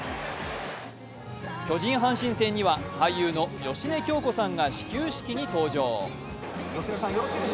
巨人×阪神には俳優の芳根京子さんが始球式に登場。